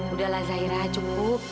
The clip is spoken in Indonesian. udahlah zaira cukup